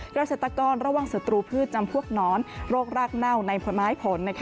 กระเศรษฐกรระวังสตรูพืชจำพวกน้อนโรครากเน่าในผลไม้ผล